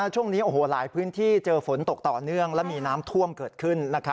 ช่วงนี้หลายพื้นที่เจอฝนตกต่อเนื่องและมีน้ำท่วมเกิดขึ้น